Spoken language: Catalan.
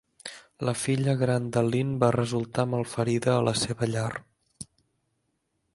La filla gran de Lin va resultar malferida a la seva llar.